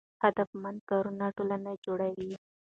هدفمند کارونه ټولنه جوړوي.